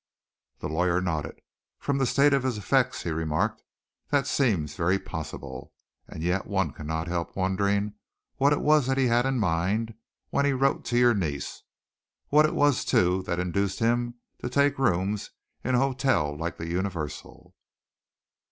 The lawyer nodded. "From the state of his effects," he remarked, "that seems very possible, and yet one cannot help wondering what it was that he had in his mind when he wrote to your niece, what it was, too, that induced him to take rooms in a hotel like the Universal."